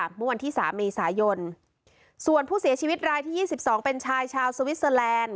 เมื่อวันที่สามมีสายนส่วนผู้เสียชีวิตรายที่ยี่สิบสองเป็นชายชาวสวิสเซอแลนด์